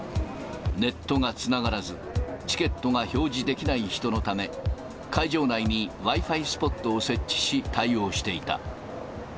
ネットがつながらず、チケットが表示できない人のため、会場内にＷｉ−Ｆｉスポットを設置し、対応していた。